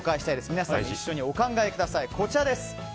皆さん、一緒にお考えください。